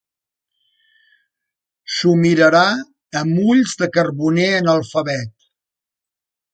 S'ho mirarà amb ulls de carboner analfabet.